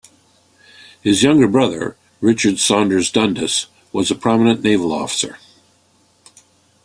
His younger brother, Richard Saunders Dundas, was a prominent naval officer.